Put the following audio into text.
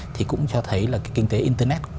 thì cũng cho thấy là kinh tế internet